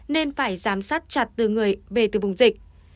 nên phải giám sát chặt từ người về từ vùng dịch